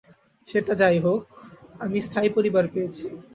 সেটা যাই হোক, আমি স্থায়ী পরিবার পেয়েছি।